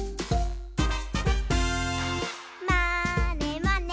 「まーねまね」